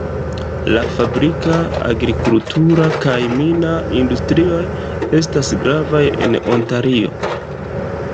La fabrika, agrikultura kaj mina industrioj estas gravaj en Ontario.